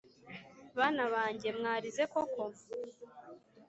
bana bange mwarize koko